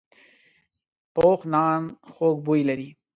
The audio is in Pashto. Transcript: پوخ نان خوږ بوی لري